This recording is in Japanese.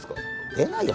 出ないよ